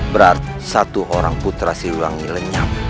berat satu orang putra siwangi lenyap